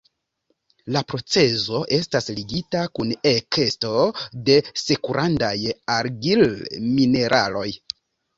La procezo estas ligita kun ekesto de sekundaraj argil-mineraloj.